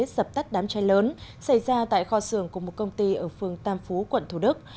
dập tắt đám cháy lớn xảy ra tại kho xưởng của một công ty ở phường tam phú quận thủ đức